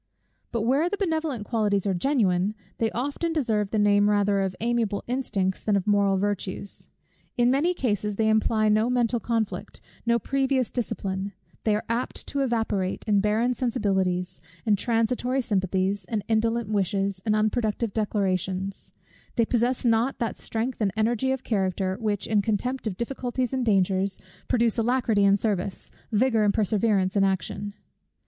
But where the benevolent qualities are genuine, they often deserve the name rather of amiable instincts, than of moral virtues. In many cases, they imply no mental conflict, no previous discipline: they are apt to evaporate in barren sensibilities, and transitory sympathies, and indolent wishes, and unproductive declarations: they possess not that strength and energy of character, which, in contempt of difficulties and dangers, produce alacrity in service, vigour and perseverance in action.